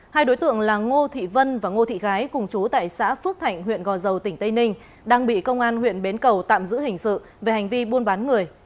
hai đối tượng là ngô thị vân và ngô thị gái cùng chú tại xã phước thạnh huyện gò dầu tỉnh tây ninh đang bị công an huyện bến cầu tạm giữ hình sự về hành vi buôn bán người